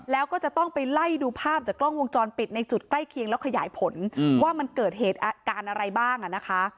แล้วก็จะต้องไปไล่ดูภาพจากกล้องวงจรปิดในจุดใกล้เคียงแล้วขยายผลว่ามันเกิดเหตุการณ์อะไรบ้างอ่ะนะคะ